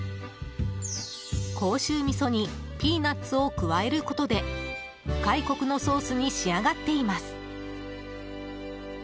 甲州味噌にピーナツを加えることで深いコクのソースに仕上がっています。